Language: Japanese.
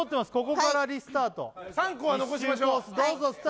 ここからリスタート３個は残しましょう１周コース